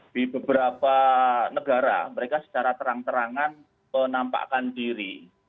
di beberapa negara mereka secara terang terangan menampakkan diri